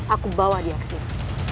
aku bawa dia ke sini